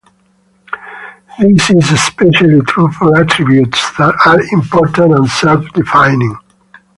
This is especially true for attributes that are important and self-defining.